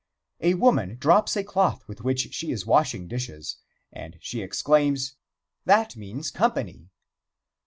A woman drops a cloth with which she is washing dishes, and she exclaims: "That means company."